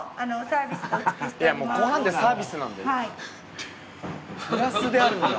いやもうご飯でサービスなんだよ。